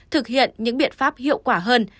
thực hiện những biện pháp hiệu quả hơn